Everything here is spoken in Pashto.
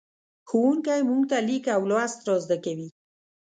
ښوونکی موږ ته لیک او لوست را زدهکوي.